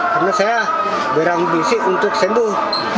karena saya berang bisik untuk senduh